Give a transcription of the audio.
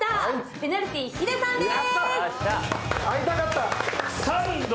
ペナルティ・ヒデさんです。